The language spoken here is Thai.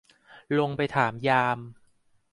ลงไปถามยาม